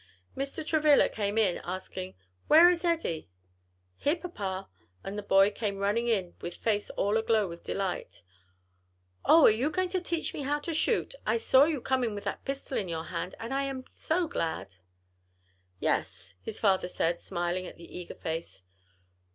Mr. Travilla came in, asking, "Where is Eddie?" "Here, papa," and the boy came running in with face all aglow with delight. "O, are you going to teach me how to shoot? I saw you coming with that pistol in your hand, and I'm so glad." "Yes," his father answered, smiling at the eager face.